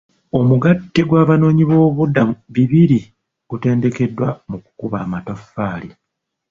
Omugatte gw'abanoonyiboobubuddamu bibiri gutendekeddwa mu kukuba amatafaali .